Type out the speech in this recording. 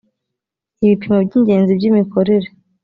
ibipimo by ingenzi by imikorere